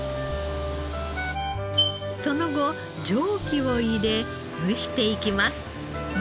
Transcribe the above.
その後蒸気を入れ蒸していきます。